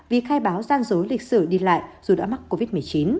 vì khai báo gian dối lịch sử đi lại dù đã mắc covid một mươi chín